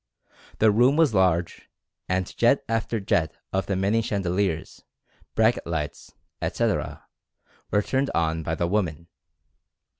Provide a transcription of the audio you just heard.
The room was large, and jet after jet of the many chandeliers, bracket lights, etc., were turned on by the woman.